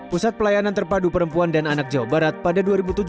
pusat pelayanan terpadu perempuan dan anak jawa barat pada dua ribu tujuh belas